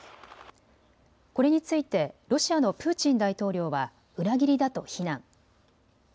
これについてロシアのプーチン大統領は裏切りだと非難。